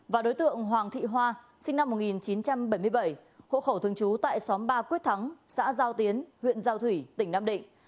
và đối tượng hoàng thị hoa sinh năm một nghìn chín trăm bảy mươi bảy hộ khẩu thường trú tại xóm ba quyết thắng xã giao tiến huyện giao thủy tỉnh nam định